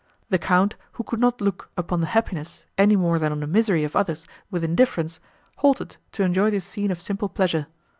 The Count, who could not look upon the happiness, any more than on the misery of others, with indifference, halted to enjoy this scene of simple pleasure.